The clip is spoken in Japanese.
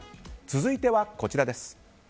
続いてはこちらです。